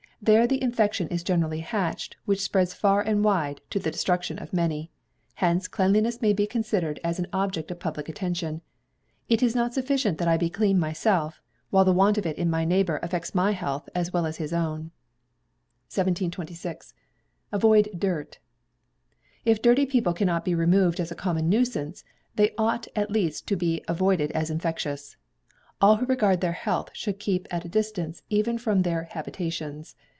There the infection is generally hatched, which spreads far and wide, to the destruction of many. Hence cleanliness may be considered as an object of public attention. It is not sufficient that I be clean myself, while the want of it in my neighbour affects my health as well as his own. 1726. Avoid Dirt. If dirty people cannot be removed as a common nuisance, they ought at least to be avoided as infectious. All who regard their health should keep at a distance, even from their habitations.